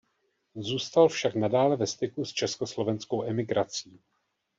Zůstal však nadále ve styku s československou emigrací.